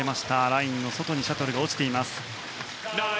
ラインの外にシャトルが落ちています。